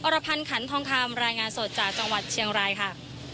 รพันธ์ขันทองคำรายงานสดจากจังหวัดเชียงรายค่ะ